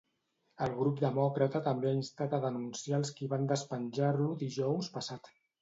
El grup demòcrata també ha instat a denunciar els qui van despenjar-lo dijous passat.